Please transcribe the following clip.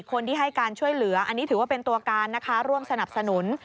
คนที่ให้การช่วยเหลืออันนี้ถือว่าเป็นตัวการนะคะร่วมสนับสนุน